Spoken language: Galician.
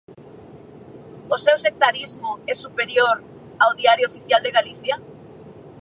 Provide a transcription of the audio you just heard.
¿O seu sectarismo é superior ao Diario Oficial de Galicia?